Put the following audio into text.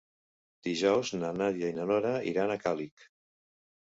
Dijous na Nàdia i na Nora iran a Càlig.